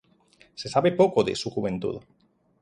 Se sabe poco de su juventud.